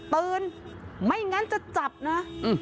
ปืนไม่งั้นจะจับนะ